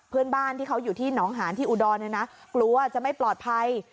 เพื่อนบ้านที่เขาอยู่ที่หนองหานที่อุดรเนี่ยนะกลัวจะไม่ปลอดภัย